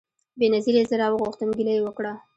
بېنظیري زه راوغوښتم ګیله یې وکړه